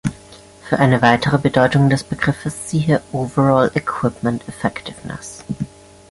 Für eine weitere Bedeutung des Begriffes siehe:Overall Equipment Effectiveness